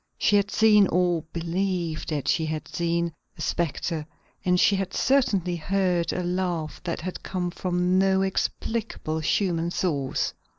She had seen or believed that she had seen a specter, and she had certainly heard a laugh that had come from no explicable human source.